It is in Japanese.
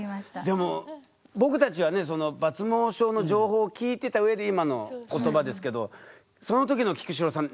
でも僕たちはね抜毛症の情報を聞いてた上で今の言葉ですけどそのときの菊紫郎さん